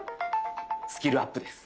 スキルアップです。